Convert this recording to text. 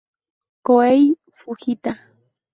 Kohei Fujita